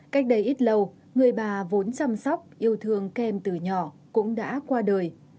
cách đây ít lâu người bà vốn chăm sóc yêu thương kem từ nhỏ cũng đã qua đời